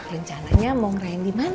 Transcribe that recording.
rencananya mau ngerain dimana ya